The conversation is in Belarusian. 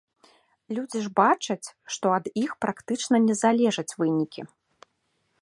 Людзі ж бачаць, што ад іх практычна не залежаць вынікі.